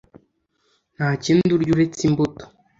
Nta kindi arya uretse imbuto